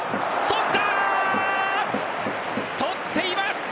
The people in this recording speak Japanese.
捕っています！